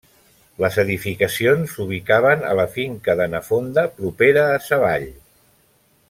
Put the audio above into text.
Les edificacions s'ubicaven a la finca de Na Fonda propera a Sa Vall.